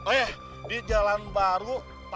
oh ya di jalan baru